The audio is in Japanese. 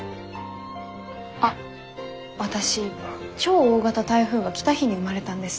あっ私超大型台風が来た日に生まれたんです。